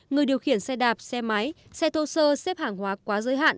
người điều khiển xe đạp xe máy xe thô sơ xếp hàng hóa quá giới hạn